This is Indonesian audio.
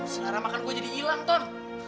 selera makan gue jadi ilang ton